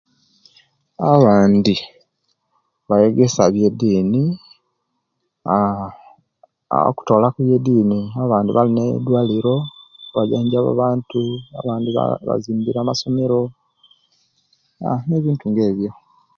Abandi bayegesya byediini; aa okutoolaku ebyediini, abandi balina eidwaliro, bajanjabye abantu, abandi bazimbire amasomero, ah, nebintu nga ebyo.